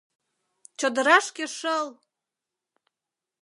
Чодырашке шыл!